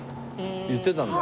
言ってたんだ。